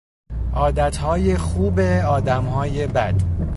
عادتهای خوب آدمهای بد